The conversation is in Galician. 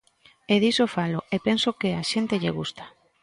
E diso falo, e penso que á xente lle gusta.